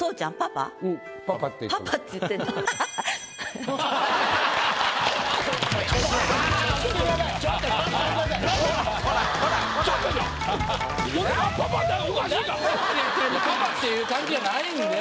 パパっていう感じやないんで。